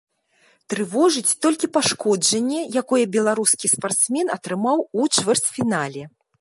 Трывожыць толькі пашкоджанне, якое беларускі спартсмен атрымаў у чвэрцьфінале.